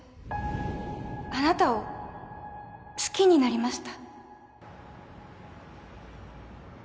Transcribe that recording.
あなたを好きになりました